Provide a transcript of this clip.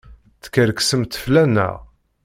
Teskerksemt fell-aneɣ!